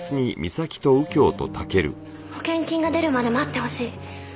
「保険金が出るまで待ってほしい」